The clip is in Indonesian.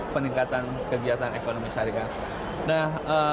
peningkatan kegiatan ekonomi syariah